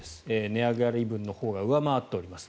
値上がり分のほうが上回っております。